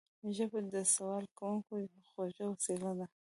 ژبه د سوال کوونکي خوږه وسيله ده